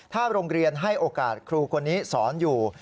ถ้าโรงเรียนให้โอกาสครูคนนี้สอนอยู่